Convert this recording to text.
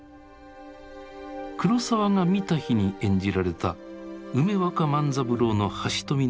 黒澤が見た日に演じられた梅若万三郎の「半蔀」の写真がある。